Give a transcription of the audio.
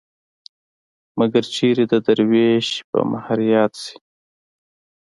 مګر چېرې د دروېش په مهر ياد شي.